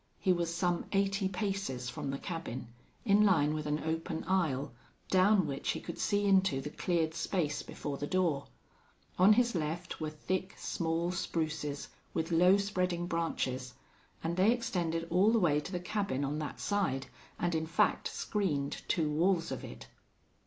He was some eighty paces from the cabin, in line with an open aisle down which he could see into the cleared space before the door. On his left were thick, small spruces, with low spreading branches, and they extended all the way to the cabin on that side, and in fact screened two walls of it.